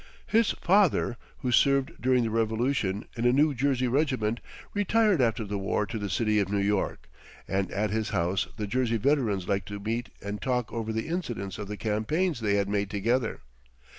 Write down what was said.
His father, who served, during the revolution, in a New Jersey regiment, retired after the war to the city of New York, and at his house the Jersey veterans liked to meet and talk over the incidents of the campaigns they had made together.